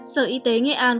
sở y tế nghệ an